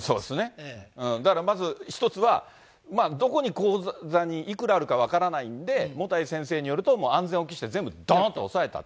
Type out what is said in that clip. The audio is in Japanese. だからまず一つは、どこの口座にいくらあるか分からないんで、もたい先生によると、もう安全を期して全部どーんと押さえた。